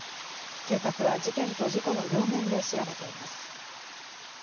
警察は事件と事故の両面で調べています。